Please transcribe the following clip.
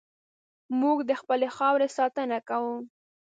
موږ د خپلې خاورې ساتنه کوو.